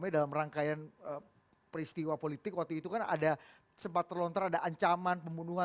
dalam rangkaian peristiwa politik waktu itu kan ada sempat terlontar ada ancaman pembunuhan